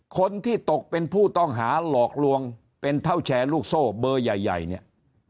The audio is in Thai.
คนที่ตกเป็นผู้ต้องหาหลอกลวงเป็นเท่าแชร์ลูกโซ่เบอร์ใหญ่เนี่ย